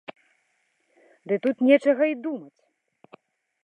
Ды тут нечага й думаць.